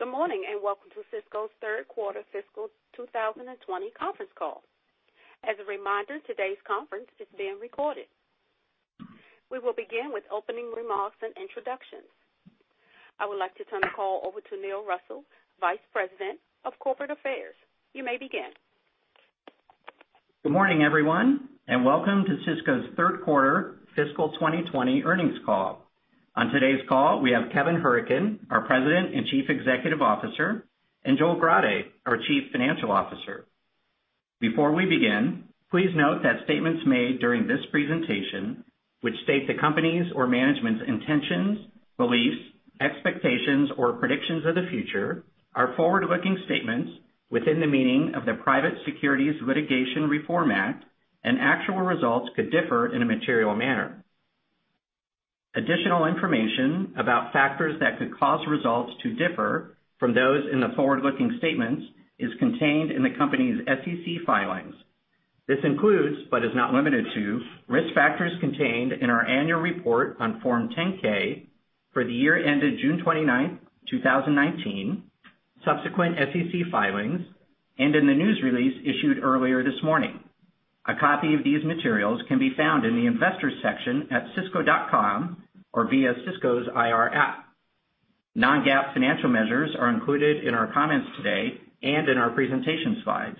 Good morning, welcome to Sysco's third quarter fiscal 2020 conference call. As a reminder, today's conference is being recorded. We will begin with opening remarks and introductions. I would like to turn the call over to Neil Russell, Vice President of Corporate Affairs. You may begin. Good morning, everyone, and welcome to Sysco's third quarter fiscal 2020 earnings call. On today's call, we have Kevin Hourican, our President and Chief Executive Officer, and Joel Grade, our Chief Financial Officer. Before we begin, please note that statements made during this presentation, which state the company's or management's intentions, beliefs, expectations, or predictions of the future are forward-looking statements within the meaning of the Private Securities Litigation Reform Act, and actual results could differ in a material manner. Additional information about factors that could cause results to differ from those in the forward-looking statements is contained in the company's SEC filings. This includes, but is not limited to, risk factors contained in our annual report on Form 10-K for the year ended June 29, 2019, subsequent SEC filings, and in the news release issued earlier this morning. A copy of these materials can be found in the Investors section at sysco.com or via Sysco's IR app. Non-GAAP financial measures are included in our comments today and in our presentation slides.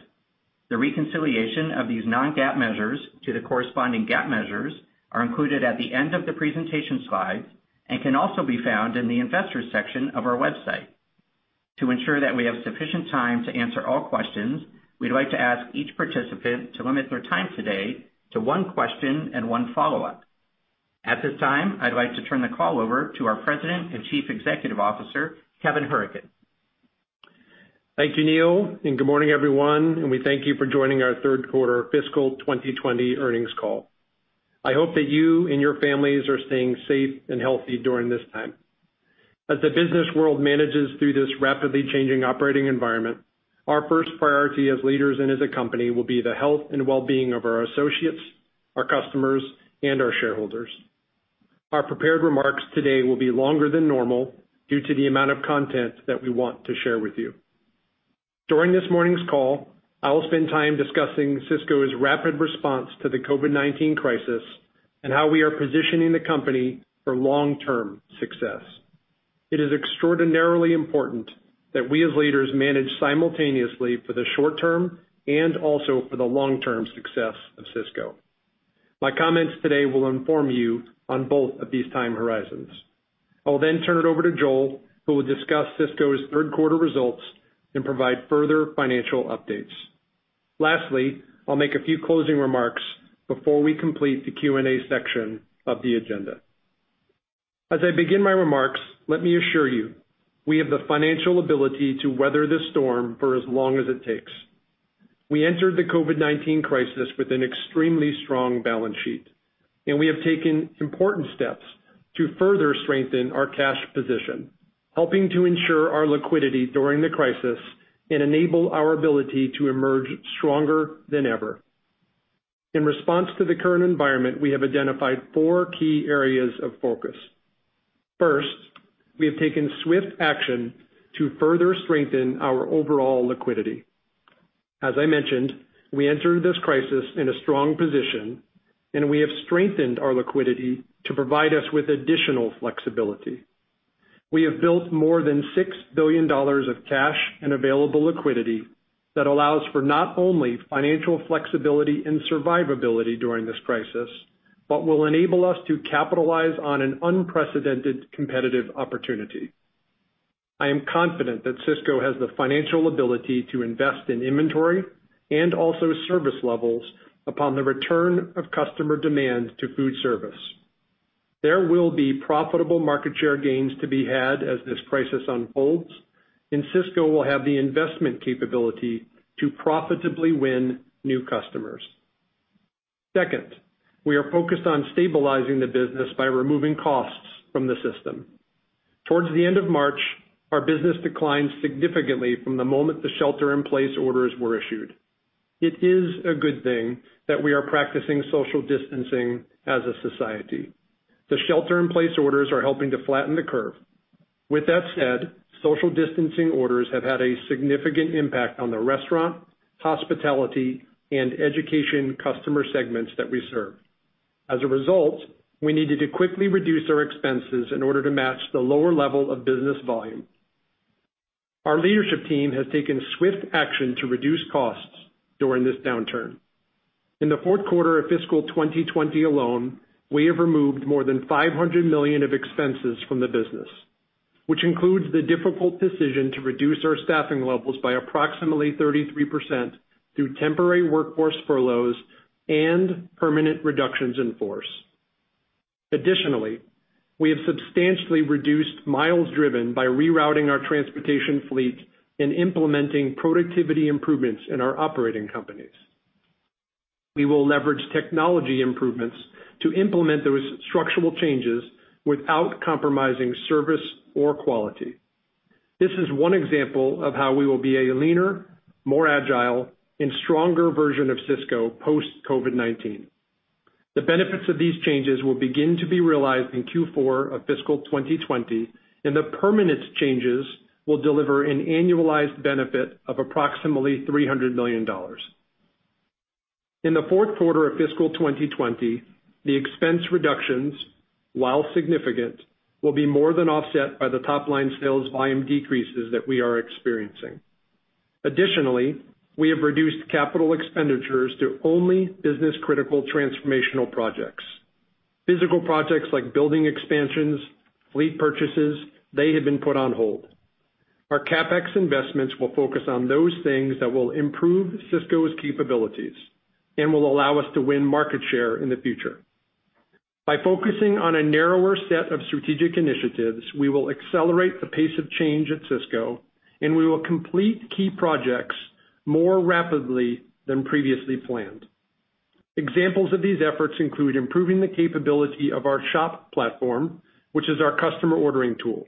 The reconciliation of these non-GAAP measures to the corresponding GAAP measures are included at the end of the presentation slides and can also be found in the Investors section of our website. To ensure that we have sufficient time to answer all questions, we'd like to ask each participant to limit their time today to one question and one follow-up. At this time, I'd like to turn the call over to our President and Chief Executive Officer, Kevin Hourican. Thank you, Neil, and good morning, everyone, and we thank you for joining our third-quarter fiscal 2020 earnings call. I hope that you and your families are staying safe and healthy during this time. As the business world manages through this rapidly changing operating environment, our first priority as leaders and as a company will be the health and wellbeing of our associates, our customers, and our shareholders. Our prepared remarks today will be longer than normal due to the amount of content that we want to share with you. During this morning's call, I will spend time discussing Sysco's rapid response to the COVID-19 crisis and how we are positioning the company for long-term success. It is extraordinarily important that we, as leaders, manage simultaneously for the short term and also for the long-term success of Sysco. My comments today will inform you on both of these time horizons. I will then turn it over to Joel, who will discuss Sysco's third-quarter results and provide further financial updates. Lastly, I'll make a few closing remarks before we complete the Q&A section of the agenda. As I begin my remarks, let me assure you, we have the financial ability to weather this storm for as long as it takes. We entered the COVID-19 crisis with an extremely strong balance sheet, and we have taken important steps to further strengthen our cash position, helping to ensure our liquidity during the crisis and enable our ability to emerge stronger than ever. In response to the current environment, we have identified four key areas of focus. First, we have taken swift action to further strengthen our overall liquidity. As I mentioned, we entered this crisis in a strong position, and we have strengthened our liquidity to provide us with additional flexibility. We have built more than $6 billion of cash and available liquidity that allows for not only financial flexibility and survivability during this crisis, but will enable us to capitalize on an unprecedented competitive opportunity. I am confident that Sysco has the financial ability to invest in inventory and also service levels upon the return of customer demand to food service. There will be profitable market share gains to be had as this crisis unfolds, and Sysco will have the investment capability to profitably win new customers. Second, we are focused on stabilizing the business by removing costs from the system. Towards the end of March, our business declined significantly from the moment the shelter in place orders were issued. It is a good thing that we are practicing social distancing as a society. The shelter in place orders are helping to flatten the curve. With that said, social distancing orders have had a significant impact on the restaurant, hospitality, and education customer segments that we serve. As a result, we needed to quickly reduce our expenses in order to match the lower level of business volume. Our leadership team has taken swift action to reduce costs during this downturn. In the fourth quarter of fiscal 2020 alone, we have removed more than $500 million of expenses from the business, which includes the difficult decision to reduce our staffing levels by approximately 33% through temporary workforce furloughs and permanent reductions in force. Additionally, we have substantially reduced miles driven by rerouting our transportation fleet and implementing productivity improvements in our operating companies. We will leverage technology improvements to implement those structural changes without compromising service or quality. This is one example of how we will be a leaner, more agile, and stronger version of Sysco post-COVID-19. The benefits of these changes will begin to be realized in Q4 of fiscal 2020, and the permanent changes will deliver an annualized benefit of approximately $300 million. In the fourth quarter of fiscal 2020, the expense reductions, while significant, will be more than offset by the top-line sales volume decreases that we are experiencing. Additionally, we have reduced capital expenditures to only business-critical transformational projects. Physical projects like building expansions, fleet purchases, they have been put on hold. Our CapEx investments will focus on those things that will improve Sysco's capabilities and will allow us to win market share in the future. By focusing on a narrower set of strategic initiatives, we will accelerate the pace of change at Sysco, and we will complete key projects more rapidly than previously planned. Examples of these efforts include improving the capability of our Shop platform, which is our customer ordering tool,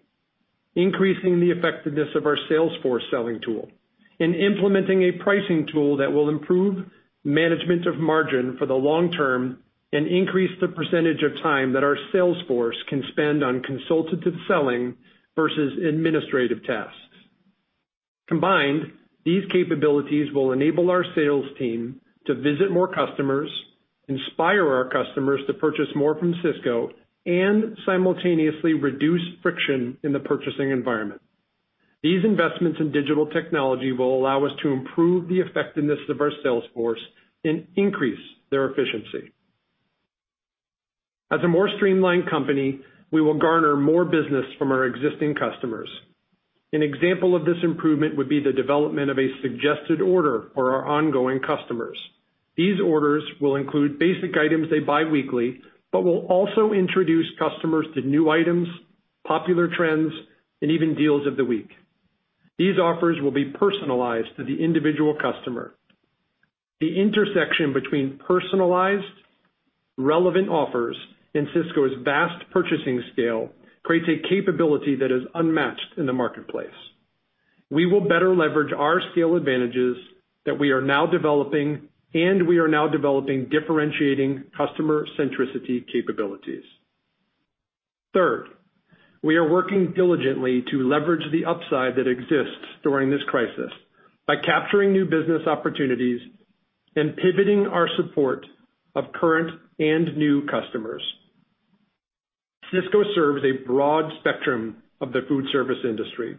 increasing the effectiveness of our salesforce selling tool, and implementing a pricing tool that will improve management of margin for the long term and increase the percentage of time that our salesforce can spend on consultative selling versus administrative tasks. Combined, these capabilities will enable our sales team to visit more customers, inspire our customers to purchase more from Sysco, and simultaneously reduce friction in the purchasing environment. These investments in digital technology will allow us to improve the effectiveness of our salesforce and increase their efficiency. As a more streamlined company, we will garner more business from our existing customers. An example of this improvement would be the development of a suggested order for our ongoing customers. These orders will include basic items they buy weekly, but will also introduce customers to new items, popular trends, and even deals of the week. These offers will be personalized to the individual customer. The intersection between personalized, relevant offers, and Sysco's vast purchasing scale creates a capability that is unmatched in the marketplace. We will better leverage our scale advantages that we are now developing, and we are now developing differentiating customer-centricity capabilities. Third, we are working diligently to leverage the upside that exists during this crisis by capturing new business opportunities and pivoting our support of current and new customers. Sysco serves a broad spectrum of the food service industry.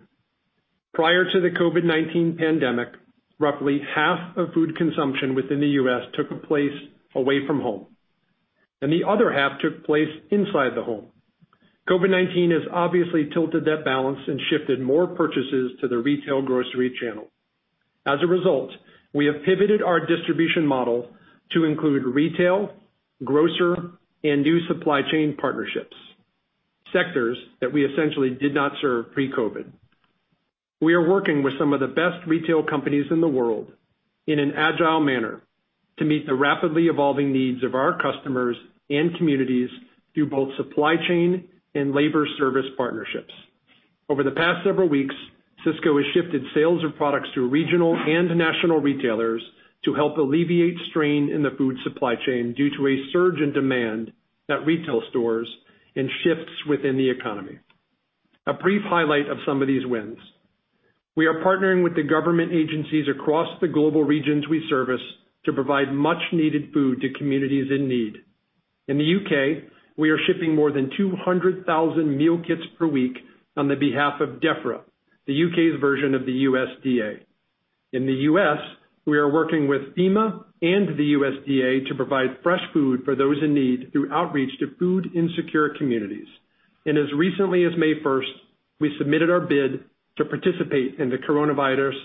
Prior to the COVID-19 pandemic, roughly half of food consumption within the U.S. took place away from home, and the other half took place inside the home. COVID-19 has obviously tilted that balance and shifted more purchases to the retail grocery channel. As a result, we have pivoted our distribution model to include retail, grocer, and new supply chain partnerships, sectors that we essentially did not serve pre-COVID. We are working with some of the best retail companies in the world in an agile manner to meet the rapidly evolving needs of our customers and communities through both supply chain and labor service partnerships. Over the past several weeks, Sysco has shifted sales of products to regional and national retailers to help alleviate strain in the food supply chain due to a surge in demand at retail stores and shifts within the economy. A brief highlight of some of these wins. We are partnering with the government agencies across the global regions we service to provide much needed food to communities in need. In the U.K., we are shipping more than 200,000 meal kits per week on the behalf of Defra, the U.K.'s version of the USDA. In the U.S., we are working with FEMA and the USDA to provide fresh food for those in need through outreach to food insecure communities. As recently as May 1st, we submitted our bid to participate in the Coronavirus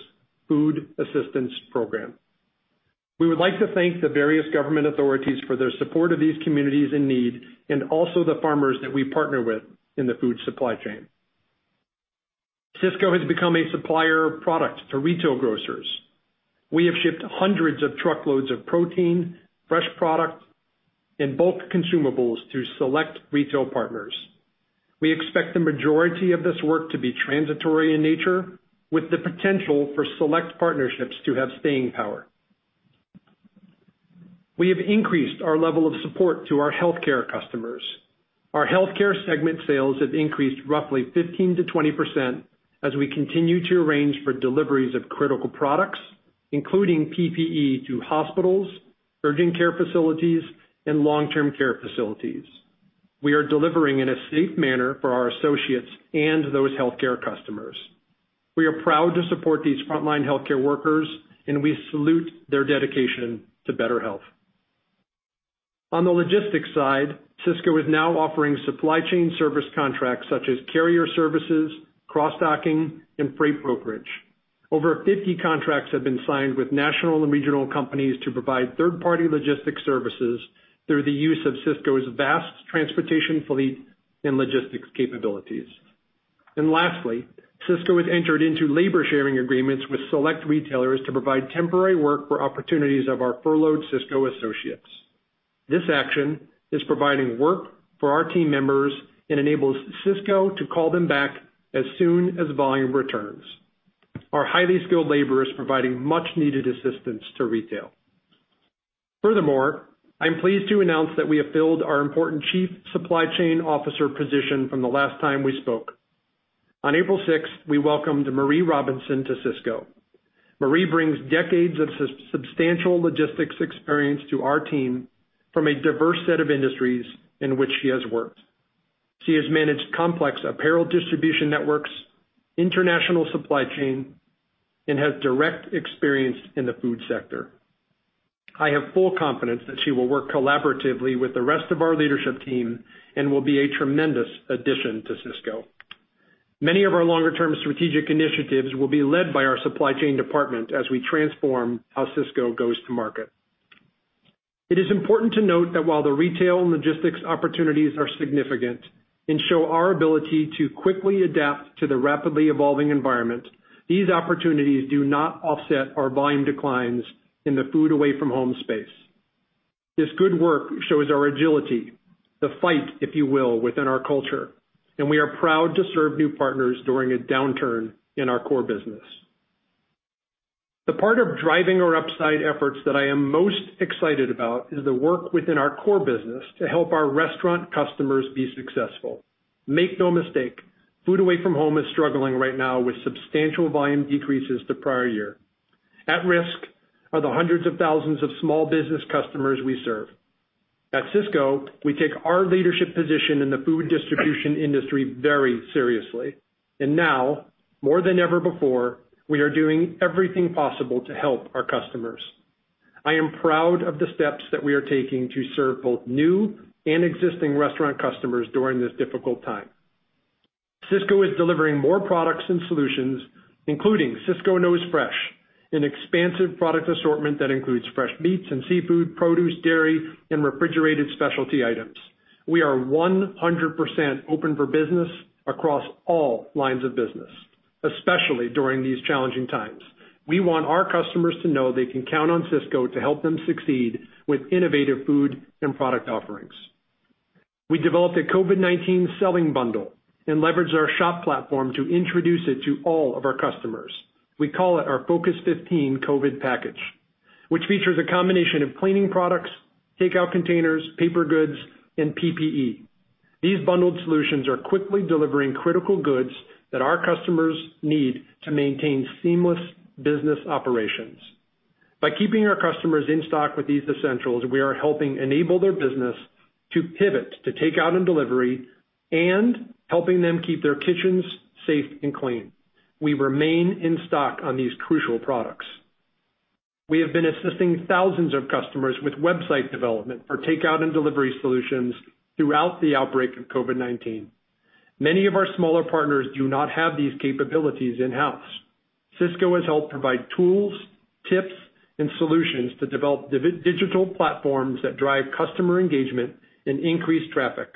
Food Assistance Program. We would like to thank the various government authorities for their support of these communities in need, and also the farmers that we partner with in the food supply chain. Sysco has become a supplier of product to retail grocers. We have shipped hundreds of truckloads of protein, fresh product, and bulk consumables to select retail partners. We expect the majority of this work to be transitory in nature, with the potential for select partnerships to have staying power. We have increased our level of support to our healthcare customers. Our healthcare segment sales have increased roughly 15%-20% as we continue to arrange for deliveries of critical products, including PPE to hospitals, urgent care facilities, and long-term care facilities. We are delivering in a safe manner for our associates and those healthcare customers. We are proud to support these frontline healthcare workers. We salute their dedication to better health. On the logistics side, Sysco is now offering supply chain service contracts such as carrier services, cross-docking, and freight brokerage. Over 50 contracts have been signed with national and regional companies to provide third-party logistics services through the use of Sysco's vast transportation fleet and logistics capabilities. Lastly, Sysco has entered into labor-sharing agreements with select retailers to provide temporary work for opportunities of our furloughed Sysco associates. This action is providing work for our team members and enables Sysco to call them back as soon as volume returns. Our highly skilled labor is providing much needed assistance to retail. Furthermore, I'm pleased to announce that we have filled our important Chief Supply Chain Officer position from the last time we spoke. On April 6th, we welcomed Marie Robinson to Sysco. Marie brings decades of substantial logistics experience to our team from a diverse set of industries in which she has worked. She has managed complex apparel distribution networks, international supply chain, and has direct experience in the food sector. I have full confidence that she will work collaboratively with the rest of our leadership team and will be a tremendous addition to Sysco. Many of our longer-term strategic initiatives will be led by our supply chain department as we transform how Sysco goes to market. It is important to note that while the retail and logistics opportunities are significant and show our ability to quickly adapt to the rapidly evolving environment, these opportunities do not offset our volume declines in the food away from home space. This good work shows our agility, the fight, if you will, within our culture, and we are proud to serve new partners during a downturn in our core business. The part of driving our upside efforts that I am most excited about is the work within our core business to help our restaurant customers be successful. Make no mistake, food away from home is struggling right now with substantial volume decreases to prior year. At risk are the hundreds of thousands of small business customers we serve. At Sysco, we take our leadership position in the food distribution industry very seriously, and now more than ever before, we are doing everything possible to help our customers. I am proud of the steps that we are taking to serve both new and existing restaurant customers during this difficult time. Sysco is delivering more products and solutions, including Sysco Knows Fresh, an expansive product assortment that includes fresh meats and seafood, produce, dairy, and refrigerated specialty items. We are 100% open for business across all lines of business, especially during these challenging times. We want our customers to know they can count on Sysco to help them succeed with innovative food and product offerings. We developed a COVID-19 selling bundle and leveraged our Shop platform to introduce it to all of our customers. We call it our Focus 15 COVID package, which features a combination of cleaning products, takeout containers, paper goods, and PPE. These bundled solutions are quickly delivering critical goods that our customers need to maintain seamless business operations. By keeping our customers in stock with these essentials, we are helping enable their business to pivot to takeout and delivery, and helping them keep their kitchens safe and clean. We remain in stock on these crucial products. We have been assisting thousands of customers with website development for takeout and delivery solutions throughout the outbreak of COVID-19. Many of our smaller partners do not have these capabilities in-house. Sysco has helped provide tools, tips, and solutions to develop digital platforms that drive customer engagement and increase traffic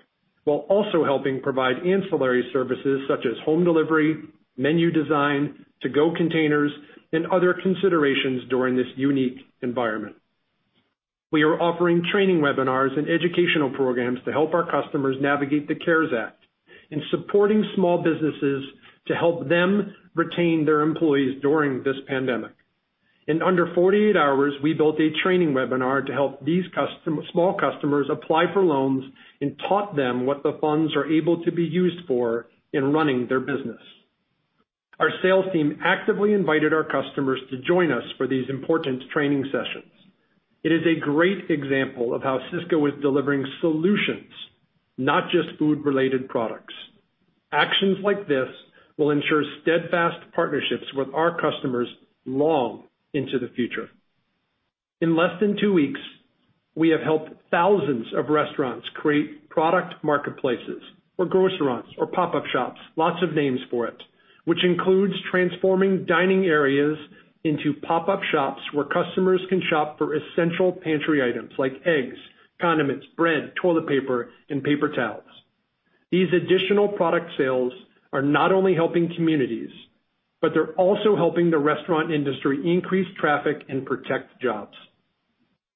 while also helping provide ancillary services such as home delivery, menu design, to-go containers, and other considerations during this unique environment. We are offering training webinars and educational programs to help our customers navigate the CARES Act in supporting small businesses to help them retain their employees during this pandemic. In under 48 hours, we built a training webinar to help these small customers apply for loans and taught them what the funds are able to be used for in running their business. Our sales team actively invited our customers to join us for these important training sessions. It is a great example of how Sysco is delivering solutions, not just food-related products. Actions like this will ensure steadfast partnerships with our customers long into the future. In less than two weeks, we have helped thousands of restaurants create product marketplaces or grocerants or pop-up shops, lots of names for it, which includes transforming dining areas into pop-up shops where customers can shop for essential pantry items like eggs, condiments, bread, toilet paper, and paper towels. These additional product sales are not only helping communities, but they're also helping the restaurant industry increase traffic and protect jobs.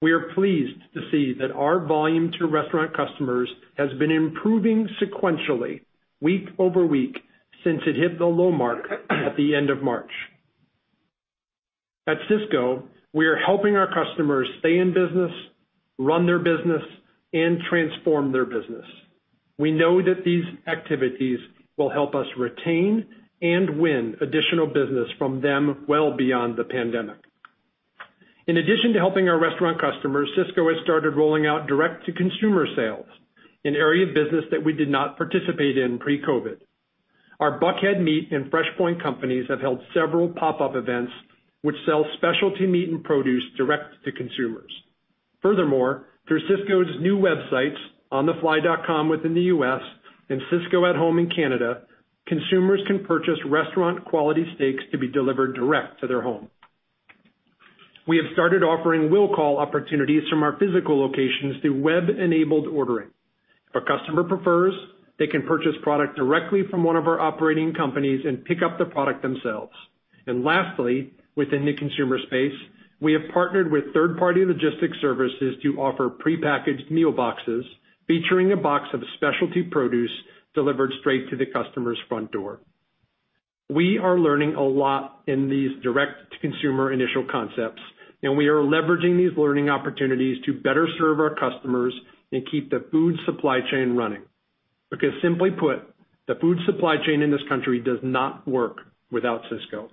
We are pleased to see that our volume to restaurant customers has been improving sequentially, week-over-week, since it hit the low mark at the end of March. At Sysco, we are helping our customers stay in business, run their business, and transform their business. We know that these activities will help us retain and win additional business from them well beyond the pandemic. In addition to helping our restaurant customers, Sysco has started rolling out direct-to-consumer sales, an area of business that we did not participate in pre-COVID. Our Buckhead Meat and FreshPoint companies have held several pop-up events which sell specialty meat and produce direct to consumers. Through Sysco's new websites, suppliesonthefly.com within the U.S. and Sysco@HOME in Canada, consumers can purchase restaurant-quality steaks to be delivered direct to their home. We have started offering will-call opportunities from our physical locations through web-enabled ordering. If a customer prefers, they can purchase product directly from one of our operating companies and pick up the product themselves. Lastly, within the consumer space. We have partnered with third-party logistics services to offer prepackaged meal boxes featuring a box of specialty produce delivered straight to the customer's front door. We are learning a lot in these direct-to-consumer initial concepts, and we are leveraging these learning opportunities to better serve our customers and keep the food supply chain running. Simply put, the food supply chain in this country does not work without Sysco.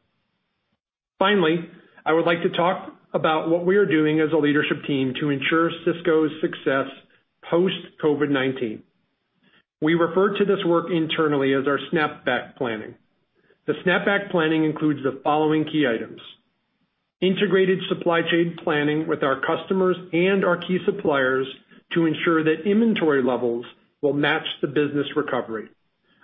Finally, I would like to talk about what we are doing as a leadership team to ensure Sysco's success post-COVID-19. We refer to this work internally as our Snap-Back Planning. The Snap-Back Planning includes the following key items. Integrated supply chain planning with our customers and our key suppliers to ensure that inventory levels will match the business recovery.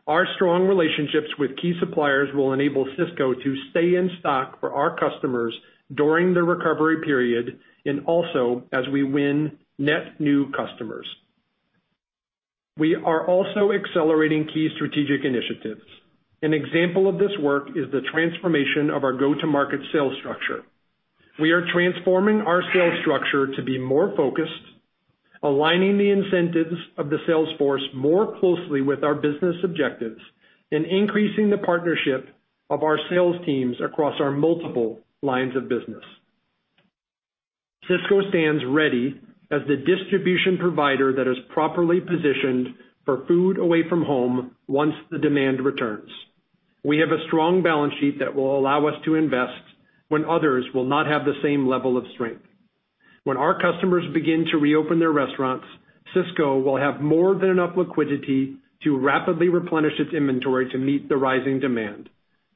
Our strong relationships with key suppliers will enable Sysco to stay in stock for our customers during the recovery period, and also as we win net new customers. We are also accelerating key strategic initiatives. An example of this work is the transformation of our go-to-market sales structure. We are transforming our sales structure to be more focused, aligning the incentives of the sales force more closely with our business objectives, and increasing the partnership of our sales teams across our multiple lines of business. Sysco stands ready as the distribution provider that is properly positioned for food away from home once the demand returns. We have a strong balance sheet that will allow us to invest when others will not have the same level of strength. When our customers begin to reopen their restaurants, Sysco will have more than enough liquidity to rapidly replenish its inventory to meet the rising demand,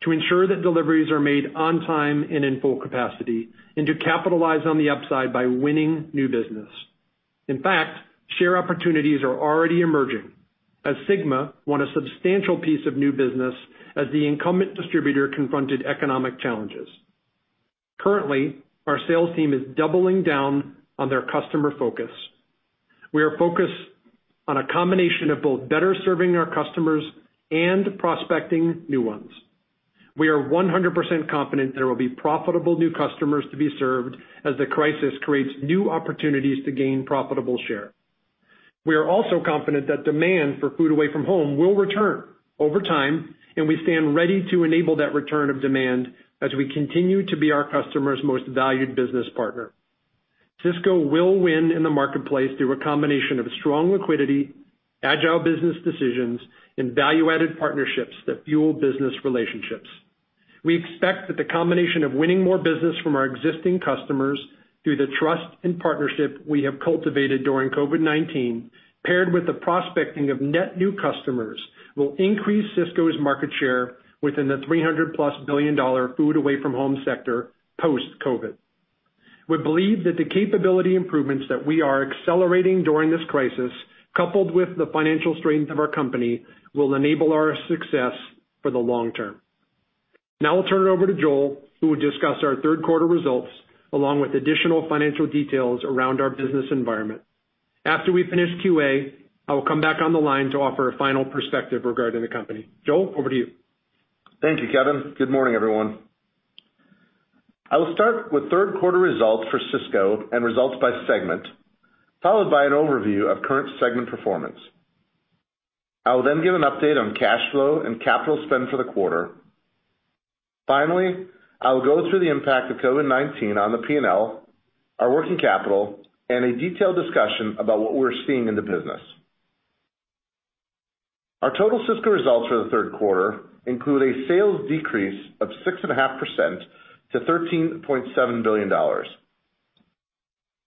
to ensure that deliveries are made on time and in full capacity, and to capitalize on the upside by winning new business. In fact, share opportunities are already emerging as SYGMA won a substantial piece of new business as the incumbent distributor confronted economic challenges. Currently, our sales team is doubling down on their customer focus. We are focused on a combination of both better serving our customers and prospecting new ones. We are 100% confident that there will be profitable new customers to be served as the crisis creates new opportunities to gain profitable share. We are also confident that demand for food away from home will return over time, and we stand ready to enable that return of demand as we continue to be our customers' most valued business partner. Sysco will win in the marketplace through a combination of strong liquidity, agile business decisions, and value-added partnerships that fuel business relationships. We expect that the combination of winning more business from our existing customers through the trust and partnership we have cultivated during COVID-19, paired with the prospecting of net new customers, will increase Sysco's market share within the $300 billion+ food away from home sector post-COVID. We believe that the capability improvements that we are accelerating during this crisis, coupled with the financial strength of our company, will enable our success for the long term. Now I'll turn it over to Joel, who will discuss our third quarter results, along with additional financial details around our business environment. After we finish Q&A, I will come back on the line to offer a final perspective regarding the company. Joel, over to you. Thank you, Kevin. Good morning, everyone. I will start with third quarter results for Sysco and results by segment, followed by an overview of current segment performance. I will give an update on cash flow and capital spend for the quarter. I will go through the impact of COVID-19 on the P&L, our working capital, and a detailed discussion about what we're seeing in the business. Our total Sysco results for the third quarter include a sales decrease of 6.5% to $13.7 billion.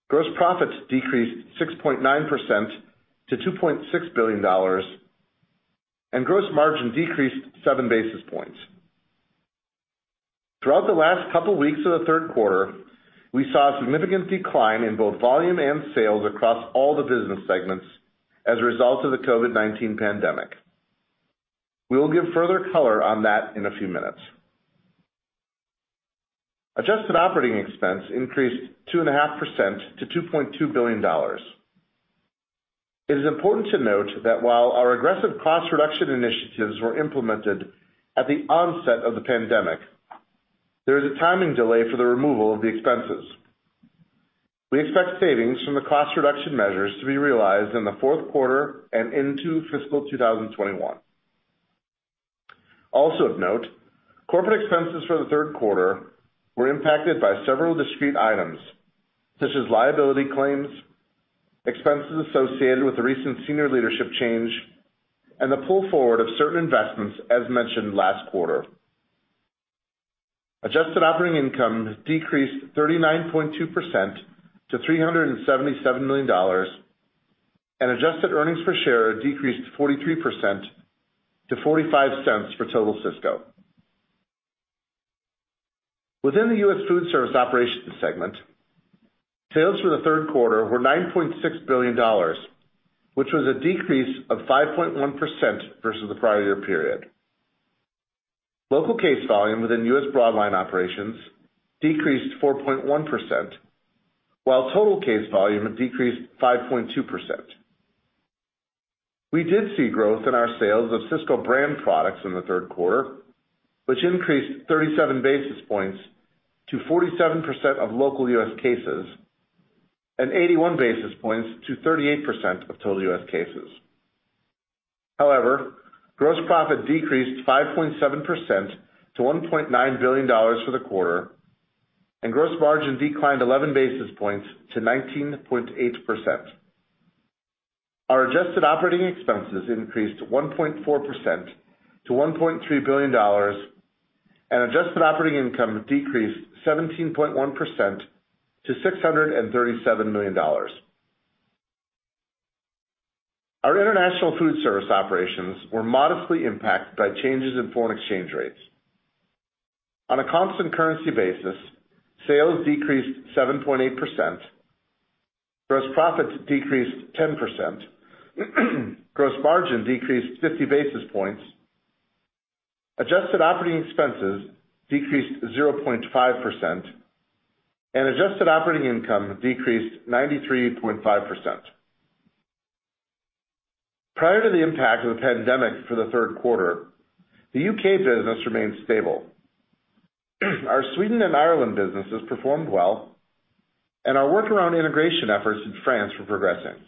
Gross profits decreased 6.9% to $2.6 billion. Gross margin decreased 7 basis points. Throughout the last couple weeks of the third quarter, we saw a significant decline in both volume and sales across all the business segments as a result of the COVID-19 pandemic. We will give further color on that in a few minutes. Adjusted operating expense increased 2.5% to $2.2 billion. It is important to note that while our aggressive cost reduction initiatives were implemented at the onset of the pandemic, there is a timing delay for the removal of the expenses. We expect savings from the cost reduction measures to be realized in the fourth quarter and into fiscal 2021. Also of note, corporate expenses for the third quarter were impacted by several discrete items, such as liability claims, expenses associated with the recent senior leadership change, and the pull forward of certain investments as mentioned last quarter. Adjusted operating income decreased 39.2% to $377 million, and adjusted earnings per share decreased 43% to $0.45 for total Sysco. Within the U.S. Foodservice Operations segment, sales for the third quarter were $9.6 billion, which was a decrease of 5.1% versus the prior year period. Local case volume within U.S. Broadline operations decreased 4.1%, while total case volume decreased 5.2%. We did see growth in our sales of Sysco Brand products in the third quarter, which increased 37 basis points to 47% of local U.S. cases, and 81 basis points to 38% of total U.S. cases. Gross profit decreased 5.7% to $1.9 billion for the quarter, and gross margin declined 11 basis points to 19.8%. Our adjusted operating expenses increased 1.4% to $1.3 billion, and adjusted operating income decreased 17.1% to $637 million. Our international foodservice operations were modestly impacted by changes in foreign exchange rates. On a constant currency basis, sales decreased 7.8%, gross profit decreased 10%, gross margin decreased 50 basis points, adjusted operating expenses decreased 0.5%, and adjusted operating income decreased 93.5%. Prior to the impact of the pandemic for the third quarter, the U.K. business remained stable. Our Sweden and Ireland businesses performed well, and our workaround integration efforts in France were progressing.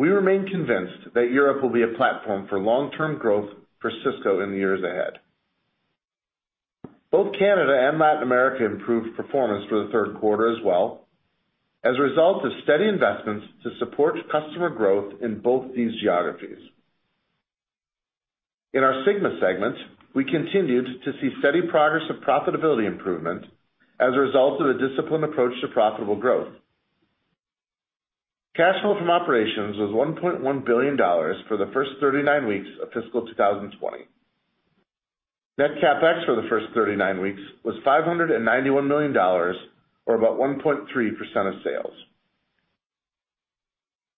We remain convinced that Europe will be a platform for long-term growth for Sysco in the years ahead. Both Canada and Latin America improved performance for the third quarter as well, as a result of steady investments to support customer growth in both these geographies. In our SYGMA segment, we continued to see steady progress of profitability improvement as a result of a disciplined approach to profitable growth. Cash flow from operations was $1.1 billion for the first 39 weeks of fiscal 2020. Net CapEx for the first 39 weeks was $591 million or about 1.3% of sales.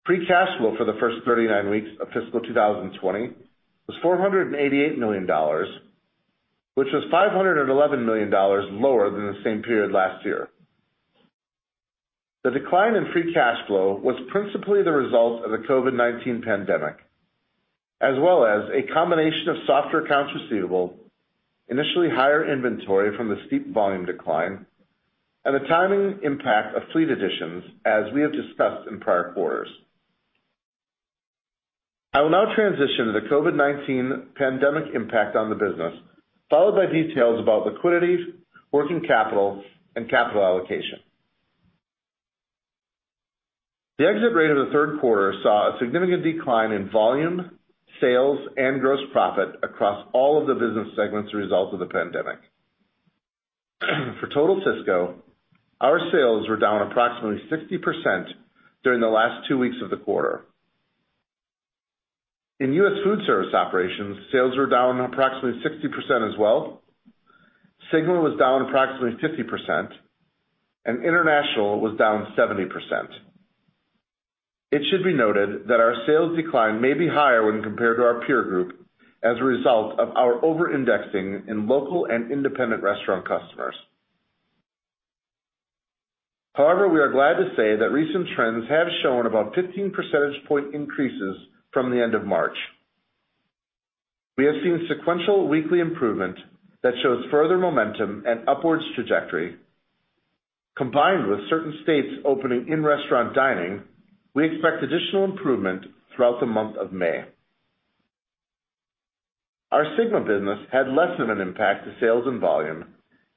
Free cash flow for the first 39 weeks of fiscal 2020 was $488 million, which was $511 million lower than the same period last year. The decline in free cash flow was principally the result of the COVID-19 pandemic, as well as a combination of softer accounts receivable, initially higher inventory from the steep volume decline, and the timing impact of fleet additions as we have discussed in prior quarters. I will now transition to the COVID-19 pandemic impact on the business, followed by details about liquidity, working capital, and capital allocation. The exit rate of the third quarter saw a significant decline in volume, sales, and gross profit across all of the business segments as a result of the pandemic. For total Sysco, our sales were down approximately 60% during the last two weeks of the quarter. In U.S. Foodservice Operations, sales were down approximately 60% as well, SYGMA was down approximately 50%, and international was down 70%. It should be noted that our sales decline may be higher when compared to our peer group as a result of our over-indexing in local and independent restaurant customers. We are glad to say that recent trends have shown about 15 percentage point increases from the end of March. We have seen sequential weekly improvement that shows further momentum and upwards trajectory. Combined with certain states opening in-restaurant dining, we expect additional improvement throughout the month of May. Our SYGMA business had less of an impact to sales and volume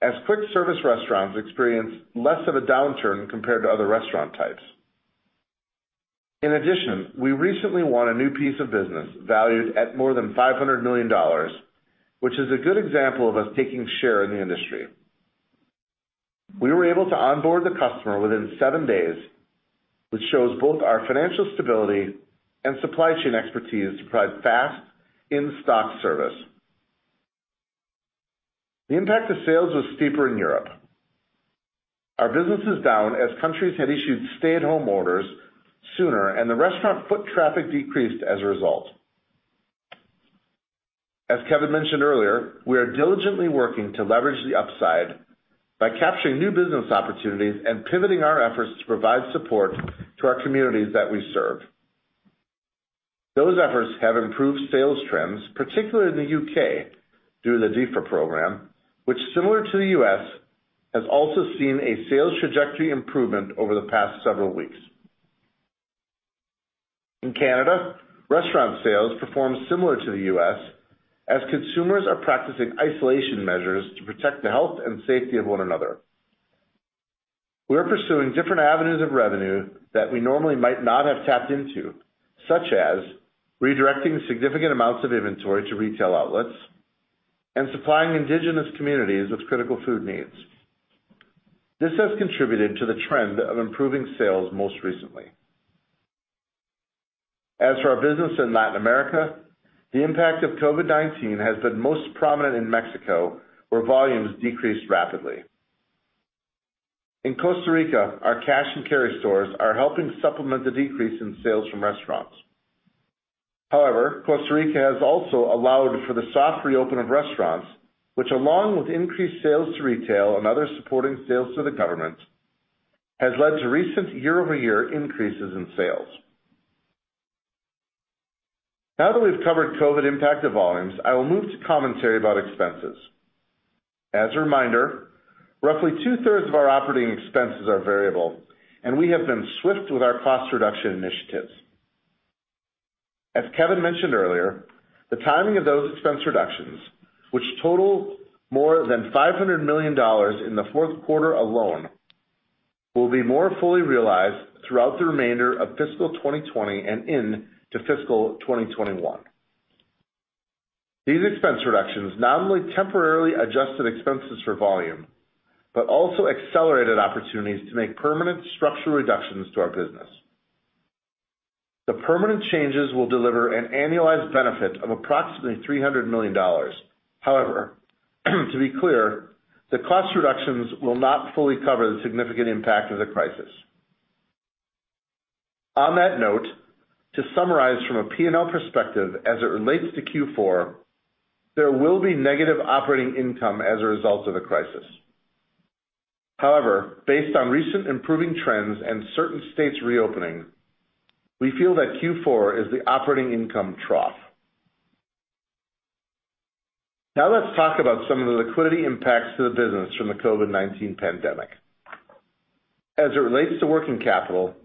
as quick service restaurants experienced less of a downturn compared to other restaurant types. We recently won a new piece of business valued at more than $500 million, which is a good example of us taking share in the industry. We were able to onboard the customer within seven days, which shows both our financial stability and supply chain expertise to provide fast in-stock service. The impact to sales was steeper in Europe. Our business is down as countries had issued stay-at-home orders sooner, and the restaurant foot traffic decreased as a result. As Kevin mentioned earlier, we are diligently working to leverage the upside by capturing new business opportunities and pivoting our efforts to provide support to our communities that we serve. Those efforts have improved sales trends, particularly in the U.K., through the Defra program, which similar to the U.S., has also seen a sales trajectory improvement over the past several weeks. In Canada, restaurant sales performed similar to the U.S., as consumers are practicing isolation measures to protect the health and safety of one another. We are pursuing different avenues of revenue that we normally might not have tapped into, such as redirecting significant amounts of inventory to retail outlets and supplying indigenous communities with critical food needs. This has contributed to the trend of improving sales most recently. As for our business in Latin America, the impact of COVID-19 has been most prominent in Mexico, where volumes decreased rapidly. In Costa Rica, our cash and carry stores are helping supplement the decrease in sales from restaurants. Costa Rica has also allowed for the soft reopen of restaurants, which along with increased sales to retail and other supporting sales to the government has led to recent year-over-year increases in sales. Now that we've covered COVID impact to volumes, I will move to commentary about expenses. As a reminder, roughly two-thirds of our operating expenses are variable, and we have been swift with our cost reduction initiatives. As Kevin mentioned earlier, the timing of those expense reductions, which total more than $500 million in the fourth quarter alone, will be more fully realized throughout the remainder of fiscal 2020 and into fiscal 2021. These expense reductions not only temporarily adjusted expenses for volume, but also accelerated opportunities to make permanent structural reductions to our business. The permanent changes will deliver an annualized benefit of approximately $300 million. To be clear, the cost reductions will not fully cover the significant impact of the crisis. On that note, to summarize from a P&L perspective as it relates to Q4, there will be negative operating income as a result of the crisis. However, based on recent improving trends and certain states reopening, we feel that Q4 is the operating income trough. Now let's talk about some of the liquidity impacts to the business from the COVID-19 pandemic. As it relates to working capital,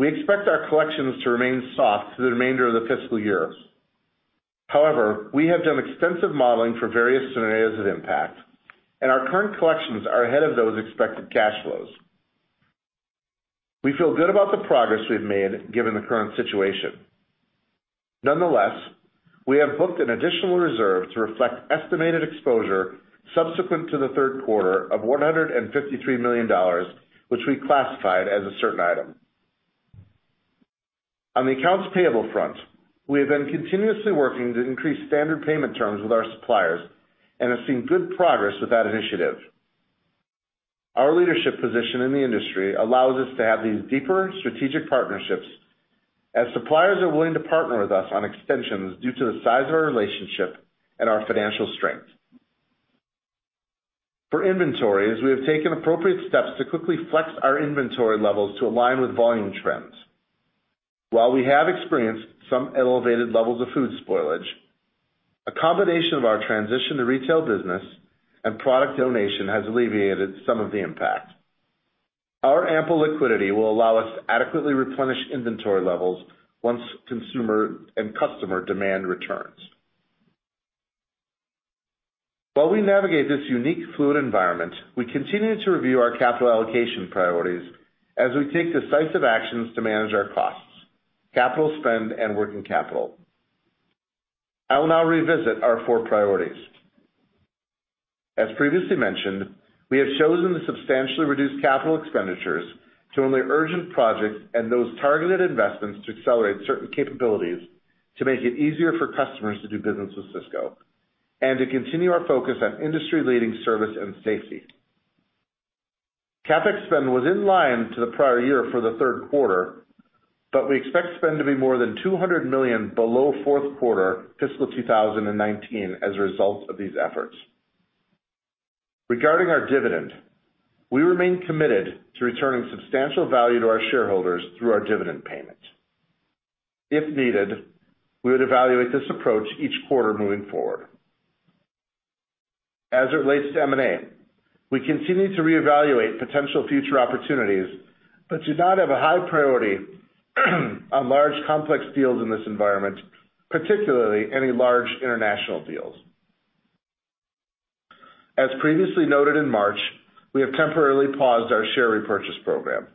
we expect our collections to remain soft through the remainder of the fiscal year. However, we have done extensive modeling for various scenarios of impact, and our current collections are ahead of those expected cash flows. We feel good about the progress we've made given the current situation. Nonetheless, we have booked an additional reserve to reflect estimated exposure subsequent to the third quarter of $153 million, which we classified as a certain item. On the accounts payable front, we have been continuously working to increase standard payment terms with our suppliers and have seen good progress with that initiative. Our leadership position in the industry allows us to have these deeper strategic partnerships as suppliers are willing to partner with us on extensions due to the size of our relationship and our financial strength. For inventories, we have taken appropriate steps to quickly flex our inventory levels to align with volume trends. While we have experienced some elevated levels of food spoilage, a combination of our transition to retail business and product donation has alleviated some of the impact. Our ample liquidity will allow us to adequately replenish inventory levels once consumer and customer demand returns. While we navigate this unique fluid environment, we continue to review our capital allocation priorities as we take decisive actions to manage our costs, capital spend, and working capital. I will now revisit our four priorities. As previously mentioned, we have chosen to substantially reduce capital expenditures to only urgent projects and those targeted investments to accelerate certain capabilities to make it easier for customers to do business with Sysco and to continue our focus on industry-leading service and safety. CapEx spend was in line to the prior year for the third quarter, but we expect spend to be more than $200 million below fourth quarter fiscal 2019 as a result of these efforts. Regarding our dividend, we remain committed to returning substantial value to our shareholders through our dividend payment. If needed, we would evaluate this approach each quarter moving forward. As it relates to M&A, we continue to reevaluate potential future opportunities, but do not have a high priority on large, complex deals in this environment, particularly any large international deals. As previously noted in March, we have temporarily paused our share repurchase program.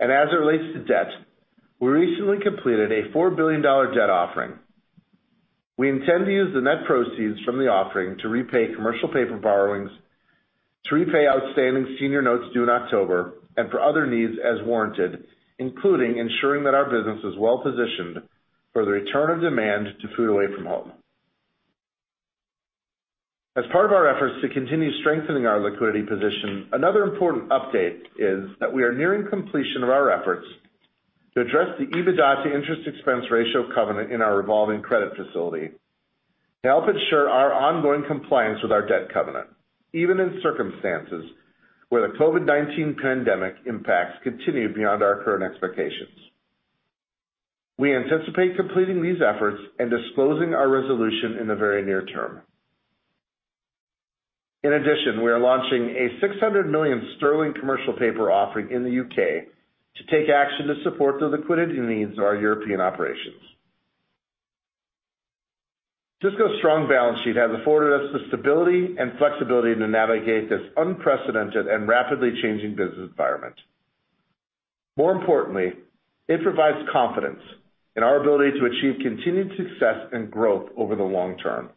As it relates to debt, we recently completed a $4 billion debt offering. We intend to use the net proceeds from the offering to repay commercial paper borrowings, to repay outstanding senior notes due in October, and for other needs as warranted, including ensuring that our business is well-positioned for the return of demand to food away from home. As part of our efforts to continue strengthening our liquidity position, another important update is that we are nearing completion of our efforts to address the EBITDA to interest expense ratio covenant in our revolving credit facility to help ensure our ongoing compliance with our debt covenant, even in circumstances where the COVID-19 pandemic impacts continue beyond our current expectations. We anticipate completing these efforts and disclosing our resolution in the very near term. In addition, we are launching a 600 million sterling commercial paper offering in the U.K. to take action to support the liquidity needs of our European operations. Sysco's strong balance sheet has afforded us the stability and flexibility to navigate this unprecedented and rapidly changing business environment. More importantly, it provides confidence in our ability to achieve continued success and growth over the long term.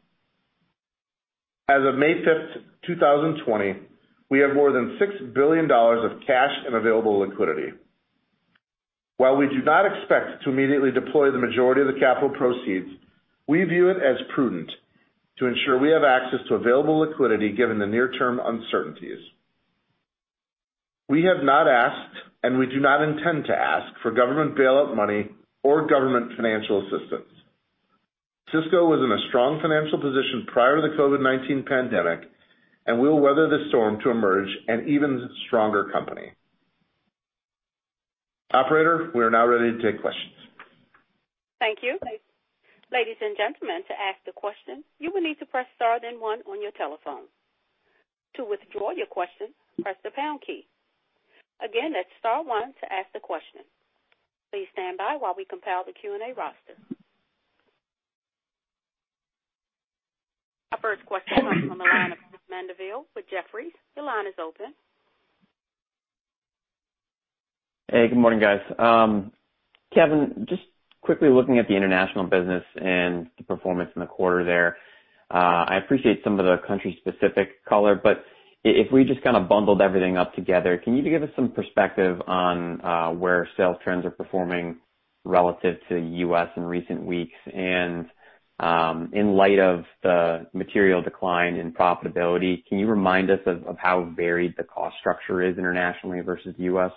As of May 5th, 2020, we have more than $6 billion of cash and available liquidity. While we do not expect to immediately deploy the majority of the capital proceeds, we view it as prudent to ensure we have access to available liquidity given the near-term uncertainties. We have not asked, and we do not intend to ask for government bailout money or government financial assistance. Sysco was in a strong financial position prior to the COVID-19 pandemic, and we'll weather this storm to emerge an even stronger company. Operator, we are now ready to take questions. Thank you. Ladies and gentlemen, to ask the question, you will need to press star then one on your telephone. To withdraw your question, press the pound key. Again, that's star one to ask the question. Please stand by while we compile the Q&A roster. Our first question comes from the line of Chris Mandeville with Jefferies. Your line is open. Hey, good morning, guys. Kevin, just quickly looking at the international business and the performance in the quarter there. I appreciate some of the country specific color, but if we just kind of bundled everything up together, can you give us some perspective on where sales trends are performing relative to U.S. in recent weeks? In light of the material decline in profitability, can you remind us of how varied the cost structure is internationally versus U.S.?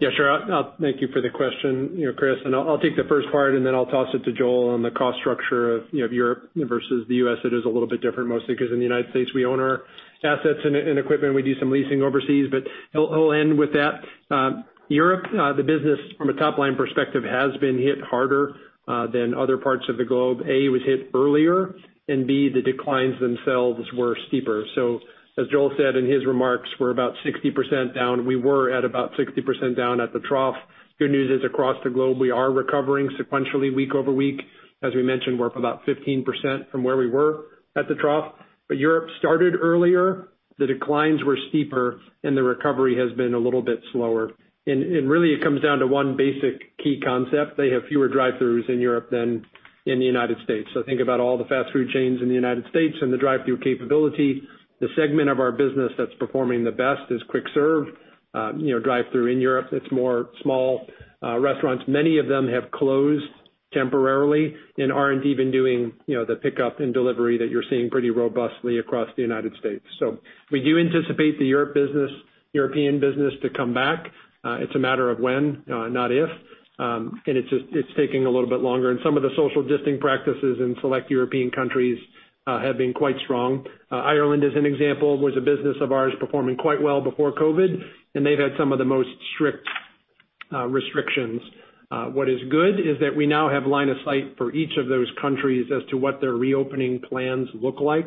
Yeah, sure. Thank you for the question, Chris. I'll take the first part, and then I'll toss it to Joel on the cost structure of Europe versus the U.S. It is a little bit different, mostly because in the United States, we own our assets and equipment. We do some leasing overseas, I'll end with that. Europe, the business from a top-line perspective, has been hit harder than other parts of the globe. A, it was hit earlier, and B, the declines themselves were steeper. As Joel said in his remarks, we're about 60% down. We were at about 60% down at the trough. Good news is, across the globe, we are recovering sequentially week-over-week. As we mentioned, we're up about 15% from where we were at the trough. Europe started earlier, the declines were steeper, and the recovery has been a little bit slower. Really it comes down to one basic key concept. They have fewer drive-throughs in Europe than in the United States. Think about all the fast food chains in the United States and the drive-through capability. The segment of our business that's performing the best is quick serve. Drive-through in Europe, it's more small restaurants. Many of them have closed temporarily and aren't even doing the pickup and delivery that you're seeing pretty robustly across the United States. We do anticipate the European business to come back. It's a matter of when, not if. It's taking a little bit longer and some of the social distancing practices in select European countries have been quite strong. Ireland, as an example, was a business of ours performing quite well before COVID, and they've had some of the most strict restrictions. What is good is that we now have line of sight for each of those countries as to what their reopening plans look like.